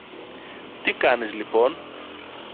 Τι κάνεις λοιπόν;